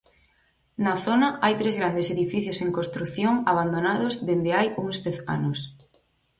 Na zona hai tres grandes edificios en construción abandonados dende hai uns dez anos.